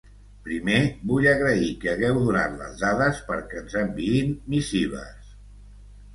Primer, vull agrair que hagueu donat les dades perquè ens enviïn missives.